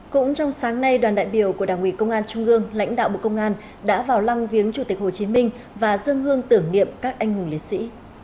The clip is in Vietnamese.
cũng trong sáng nay đoàn đại biểu của đảng ủy công an trung ương lãnh đạo bộ công an đã vào lăng viếng chủ tịch hồ chí minh và dân hương tưởng niệm các anh hùng liệt sĩ